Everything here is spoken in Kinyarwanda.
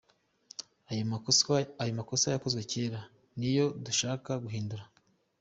Ayo makosa yakozwe kera niyo dushaka guhindura.